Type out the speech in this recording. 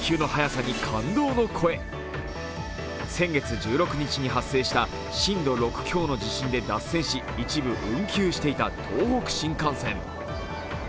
先月１６日に発生した震度６強の地震で脱線し一部運休していた東北新幹線。